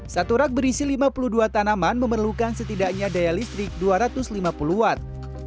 satu rak berisi lima puluh dua tanaman memerlukan setidaknya daya listrik dua ratus lima puluh watt